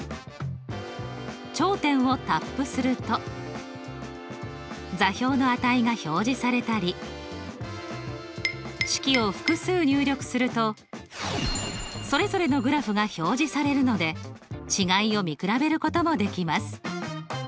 頂点をタップすると座標の値が表示されたり式を複数入力するとそれぞれのグラフが表示されるので違いを見比べることもできます。